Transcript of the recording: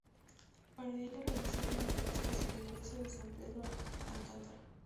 Para ella realizó los retablos de la iglesia de San Pedro Alcántara.